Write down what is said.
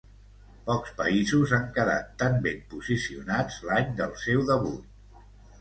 Pocs països han quedat tan ben posicionats l'any del seu debut.